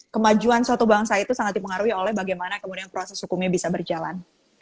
kemajuan suatu bangsa itu sangat dipengaruhi oleh bagaimana kemudian proses hukumnya bisa berjalan